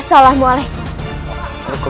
baik ayah anda prabu